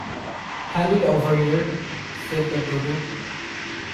‘Hand it over here,’ said the Dodo.